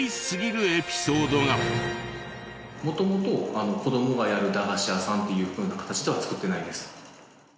元々子どもがやる駄菓子屋さんっていうふうな形では作ってないんです。